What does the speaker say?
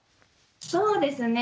そうですね。